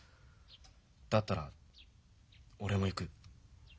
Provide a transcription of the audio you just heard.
だったら俺も行く。